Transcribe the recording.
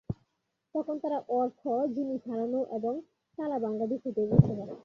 তখন তারা অর্থ, জিনিস হারানো এবং তালা ভাঙার বিষয়টি বুঝতে পারেন।